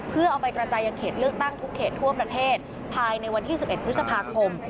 เพื่อเอาไปกระจายยังเขตเลือกตั้งทุกเขตทั่วประเทศภายในวันที่๑๑พฤษภาคม